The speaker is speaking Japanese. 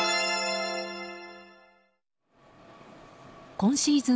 今シーズン